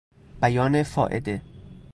بیان فائده